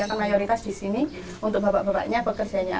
karena mayoritas di sini untuk bapak bapaknya pekerjanya